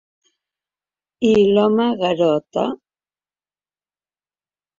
I l'home garota...